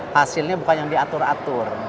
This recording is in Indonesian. hasilnya bukan yang diatur atur